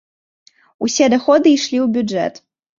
Усе даходы ішлі ў бюджэт.